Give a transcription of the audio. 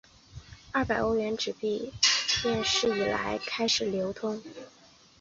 二百欧元纸币面世以来开始流通。